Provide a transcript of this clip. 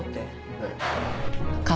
ええ。